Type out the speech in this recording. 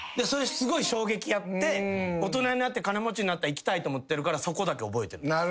それすごい衝撃やって大人になって金持ちになったら行きたいと思ってるからそこだけ覚えてる。